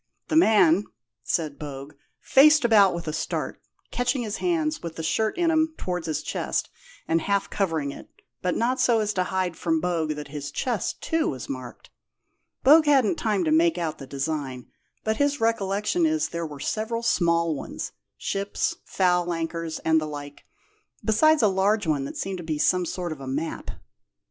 "The man (said Bogue) faced about with a start, catching his hands with the shirt in 'em towards his chest, and half covering it, but not so as to hide from Bogue that his chest, too, was marked. Bogue hadn't time to make out the design, but his recollection is there were several small ones ships, foul anchors, and the like besides a large one that seemed to be some sort of a map."